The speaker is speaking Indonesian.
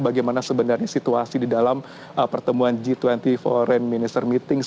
bagaimana sebenarnya situasi di dalam pertemuan g dua puluh foreign minister meeting